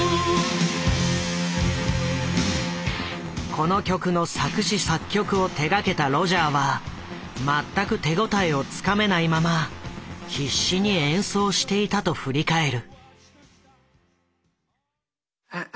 この曲の作詞作曲を手がけたロジャーは全く手応えをつかめないまま必死に演奏していたと振り返る。